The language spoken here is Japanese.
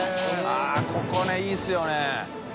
◆舛ここねいいですよね。